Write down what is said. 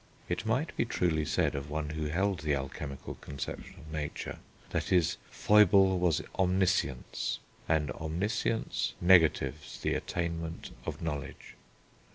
It might be truly said of one who held the alchemical conception of nature that "his foible was omniscience"; and omniscience negatives the attainment of knowledge.